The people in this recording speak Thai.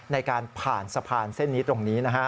ในการผ่านสะพานเส้นนี้ตรงนี้นะฮะ